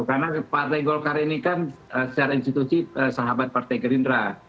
karena partai golkar ini kan secara institusi sahabat partai gerindra